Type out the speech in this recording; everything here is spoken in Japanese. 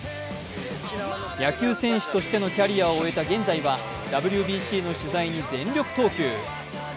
野球選手としてのキャリアを終えた現在は、ＷＢＣの取材に全力投球。